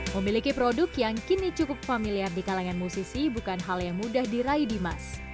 memiliki produk yang kini cukup familiar di kalangan musisi bukan hal yang mudah diraih dimas